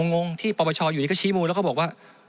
งงที่ปปชอยู่นี้ก็ชี้มูลแล้วก็บอกว่า